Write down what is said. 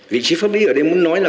vị trí pháp lý ở đây muốn nói là